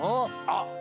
あっ。